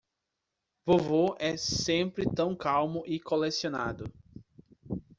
Vovô é sempre tão calmo e colecionado.